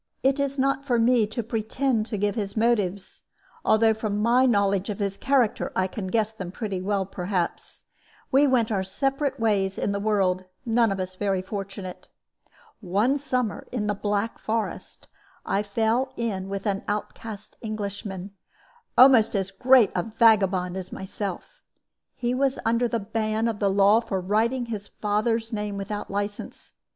"It is not for me to pretend to give his motives, although from my knowledge of his character I can guess them pretty well, perhaps. We went our several ways in the world, neither of us very fortunate. "One summer, in the Black Forest, I fell in with an outcast Englishman, almost as great a vagabond as myself. He was under the ban of the law for writing his father's name without license.